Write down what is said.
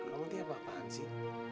kamu tidak apa apaan sih